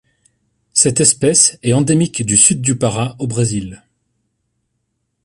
Cette espèce est endémique du Sud du Pará au Brésil.